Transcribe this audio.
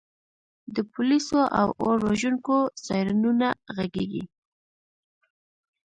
د پولیسو او اور وژونکو سایرنونه غږیږي